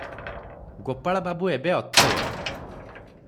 ଗୋପାଳବାବୁ ଏବେ ଅଥୟ ।